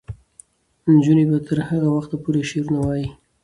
نجونې به تر هغه وخته پورې شعرونه وايي.